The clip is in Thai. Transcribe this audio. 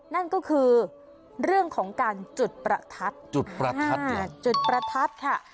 นั่นก็คือเรื่องของการจุดประทัดจุดประทัดจุดประทัดค่ะ